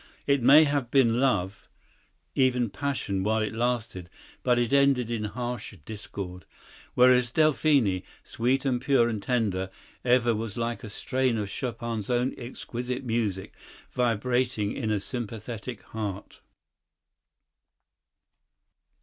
It may have been love, even passion, while it lasted, but it ended in harsh discord; whereas Delphine, sweet and pure and tender, ever was like a strain of Chopin's own exquisite music vibrating in a sympathetic heart.